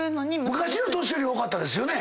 昔の年寄り多かったですよね。